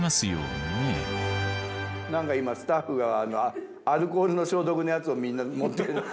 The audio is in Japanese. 何か今スタッフがアルコールの消毒のやつをみんな持ってる。